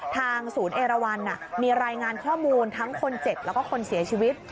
ทางศูนย์เอราวันมีรายงานข้อมูลทั้งคนเจ็บแล้วก็คนเสียชีวิต